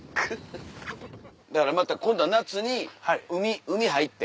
だからまた今度は夏に海入って。